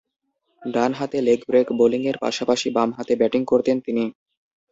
ডানহাতে leg break বোলিংয়ের পাশাপাশি বামহাতে ব্যাটিং করতেন তিনি।